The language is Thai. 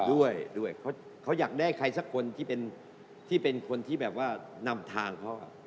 ด้วยเขาอยากได้ใครสักคนที่เป็นคนที่แบบว่านำทางเขา